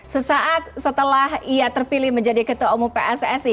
sesaat setelah ia terpilih menjadi ketua umum pssi